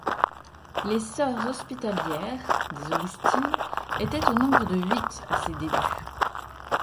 Les sœurs hospitalières, des augustines, étaient au nombre de huit à ses débuts.